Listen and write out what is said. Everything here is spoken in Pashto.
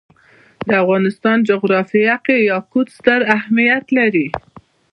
د افغانستان جغرافیه کې یاقوت ستر اهمیت لري.